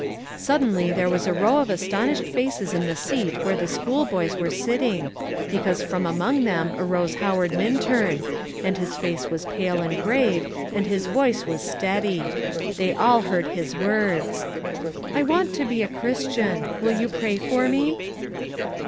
suddenly there was a row of astonished faces in the seat where the schoolboys were sitting, because from among them arose Howard Minturn, and his face was pale and grave, and his voice was steady; they all heard his words: "I want to be a Christian: will you pray for me?"